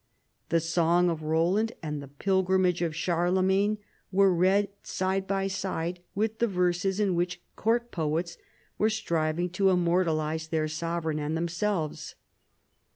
The song of Eoland and the pilgrimage of Charlemagne were read side by side with the verses in which court poets were striving to immortalise their sovereign and themselves.